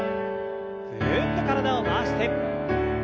ぐるっと体を回して。